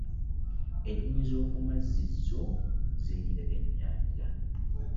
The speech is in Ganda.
Ennyonyi zokumazzi zo zeeriira byannyaja.